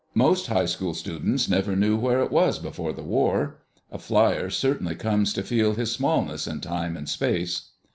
Most high school students never knew where it was before the war. A flier certainly comes to feel his smallness in time and space!"